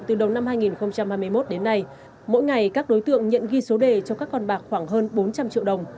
từ đầu năm hai nghìn hai mươi một đến nay mỗi ngày các đối tượng nhận ghi số đề cho các con bạc khoảng hơn bốn trăm linh triệu đồng